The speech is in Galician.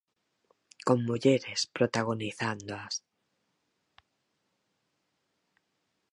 Con mulleres protagonizándoas.